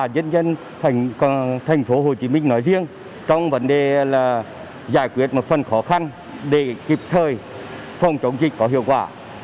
nhân dân tp hcm nói riêng trong vấn đề là giải quyết một phần khó khăn để kịp thời phòng chống dịch có hiệu quả